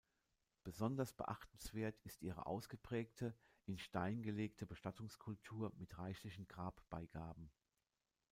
Besonders beachtenswert ist ihre ausgeprägte, in Stein gelegte Bestattungskultur mit reichlichen Grabbeigaben.